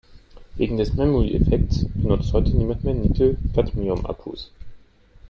Wegen des Memory-Effekts benutzt heute niemand mehr Nickel-Cadmium-Akkus.